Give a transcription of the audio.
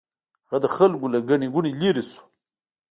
هغه د خلکو له ګڼې ګوڼې لرې شو.